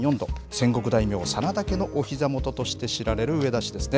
戦国大名、真田家のおひざ元として知られる上田市ですね。